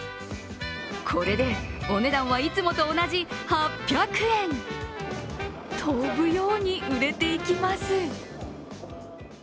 これでお値段はいつもと同じ８００円飛ぶように売れていきます。